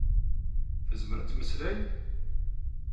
Tezmer ad temmeslay.